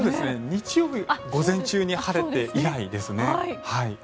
日曜日午前中に晴れて以来です。